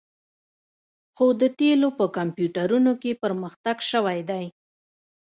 خو د تیلو په کمپیوټرونو کې پرمختګ شوی دی